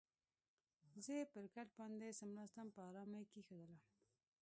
زه یې پر کټ باندې څملاستم، په آرامه یې کېښودلم.